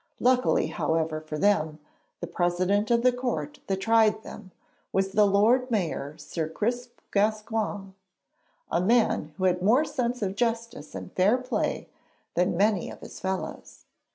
Luckily, however, for them, the president of the court that tried them was the Lord Mayor Sir Crispe Gascoigne, a man who had more sense of justice and fair play than many of his fellows.